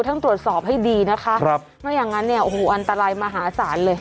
ต้องตรวจสอบให้ดีนะคะครับไม่อย่างนั้นเนี่ยโอ้โหอันตรายมหาศาลเลย